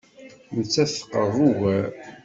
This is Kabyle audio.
Nettat teqreb ugar.